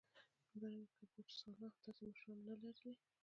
همدارنګه که بوتسوانا داسې مشران نه لر لای.